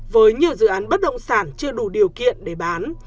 với nhiều dự án bất động sản chưa đủ điều kiện để bán